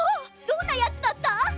どんなヤツだった？